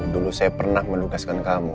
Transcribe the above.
dulu saya pernah menugaskan kamu